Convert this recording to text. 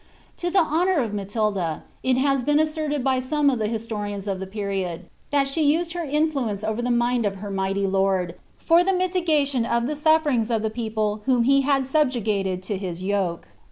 To the honour of Matilda, it has been assert^ by some of the historians of the period, that she used her influence over ihe mind of her mighty lord, for the mitigation of the snfieringB of the people whom he had subjugated to his yoke.